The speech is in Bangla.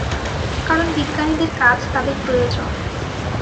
কারণ বিজ্ঞানীদের কাজ তাদের প্রয়োজন।